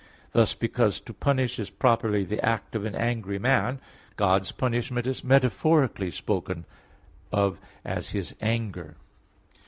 Thus, because to punish is properly the act of an angry man, God's punishment is metaphorically spoken of as His anger.